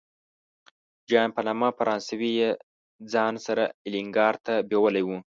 جان په نامه فرانسوی یې ځان سره الینګار ته بیولی و.